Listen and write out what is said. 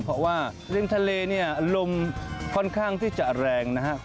เพราะว่าริมทะเลเนี่ยลมค่อนข้างที่จะแรงนะครับ